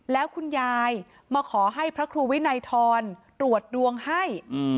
แล้วคุณยายมาขอให้พระครูวินัยทรตรวจดวงให้